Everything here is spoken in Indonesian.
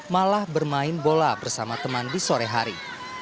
malah bermain bola bersama teman di sore hari